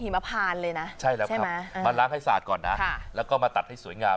มาล้างให้สะอาดก่อนนะแล้วมาตัดให้สวยงาม